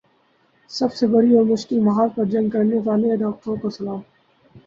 سب سے بڑی اور مشکل محاذ پر جنگ کرنے والے ان ڈاکٹروں کو سلام